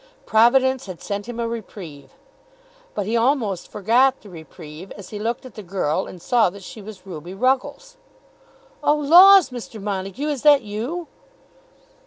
Providence had sent him a reprieve! But he almost forgot the reprieve, as he looked at the girl and saw that she was Ruby Ruggles. "Oh laws, Mr. Montague, is that you?"